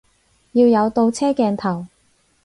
要有倒車鏡頭